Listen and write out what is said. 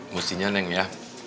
mestinya neng ya